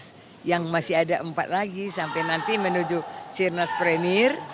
terus yang masih ada empat lagi sampai nanti menuju sirnas premier